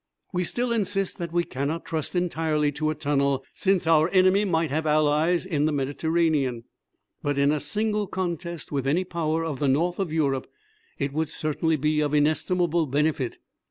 We still insist that we cannot trust entirely to a tunnel, since our enemy might have allies in the Mediterranean; but in a single contest with any Power of the North of Europe it would certainly be of inestimable benefit.